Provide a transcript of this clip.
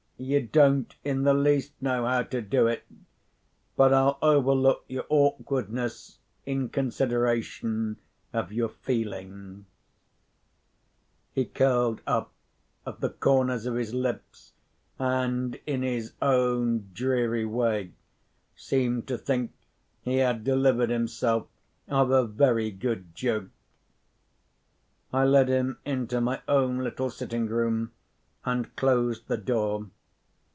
You don't in the least know how to do it; but I'll overlook your awkwardness in consideration of your feelings." He curled up at the corners of his lips, and, in his own dreary way, seemed to think he had delivered himself of a very good joke. I led him into my own little sitting room, and closed the door.